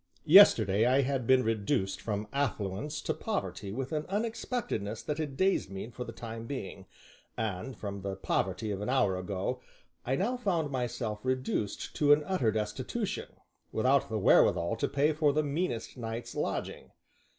Yesterday I had been reduced from affluence to poverty with an unexpectedness that had dazed me for the time being, and, from the poverty of an hour ago, I now found myself reduced to an utter destitution, without the wherewithal to pay for the meanest night's lodging.